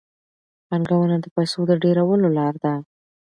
پانګونه د پیسو د ډېرولو لار ده.